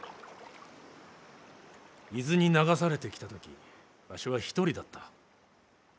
伊豆に流されてきた時わしは一人だった。